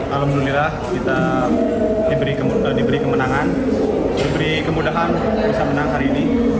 alhamdulillah kita diberi kemenangan diberi kemudahan bisa menang